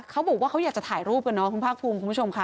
เขาบอกว่าเขาอยากจะถ่ายรูปกันเนาะคุณภาคภูมิคุณผู้ชมค่ะ